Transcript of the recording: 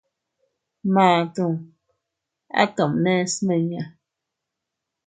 Matuu ¿A tomne smiña?